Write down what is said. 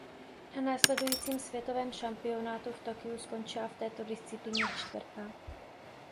Na následujícím světovém šampionátu v Tokiu skončila v této disciplíně čtvrtá.